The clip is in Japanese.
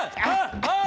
あっ！